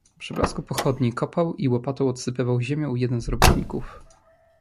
"Przy blasku pochodni kopał i łopatą odsypywał ziemią jeden z robotników."